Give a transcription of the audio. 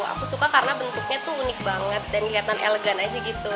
aku suka karena bentuknya tuh unik banget dan kelihatan elegan aja gitu